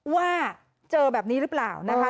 ว่าเจอแบบนี้หรือเปล่านะคะ